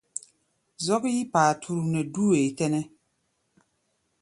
Zɔ́k yí paturu nɛ dú wee tɛ́nɛ́.